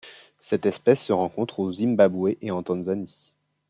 Cette espèce se rencontre au Zimbabwe et en Tanzanie.